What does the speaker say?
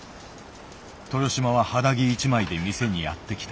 豊島は肌着一枚で店にやって来た。